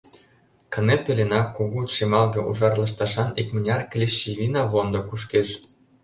Кыне пеленак кугу шемалге-ужар лышташан икмыняр клещевина вондо кушкеш.